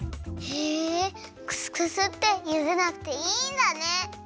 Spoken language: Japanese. へえクスクスってゆでなくていいんだね。